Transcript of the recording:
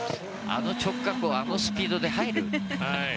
あの直角をあのスピードで入る？